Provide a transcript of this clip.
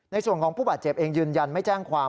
ในส่วนของผู้บาดเจ็บเองยืนยันไม่แจ้งความ